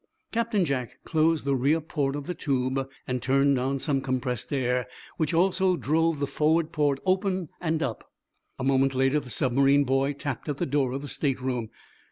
Captain Jack closed the rear port of the tube, and turned on some compressed air, which also drove the forward port open and up. A moment later the submarine boy tapped at the door of the state room.